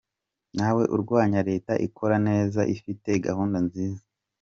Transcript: Ntawe urwanya Leta ikora neza, ifite gahunda nziza.